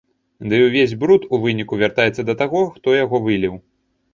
Ды і ўвесь бруд, у выніку, вяртаецца да таго, хто яго выліў.